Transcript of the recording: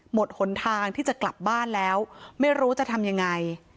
หนทางที่จะกลับบ้านแล้วไม่รู้จะทำยังไง